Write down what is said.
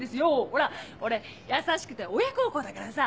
ほら俺優しくて親孝行だからさ